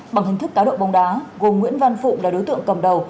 bằng hình thức cáo độ bóng đá gồm nguyễn văn phụm là đối tượng cầm đầu